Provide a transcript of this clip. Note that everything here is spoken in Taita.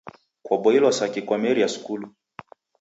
Kwaboilwa saki kwameria skulu?